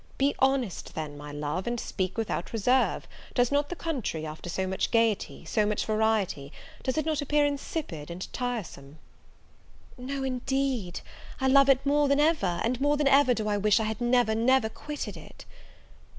Be honest, then, my love, and speak without reserve; does not the country, after so much gaiety, so much variety, does it not appear insipid and tiresome?" "No, indeed! I love it more than ever, and more than ever do I wish I had never, never quitted it!"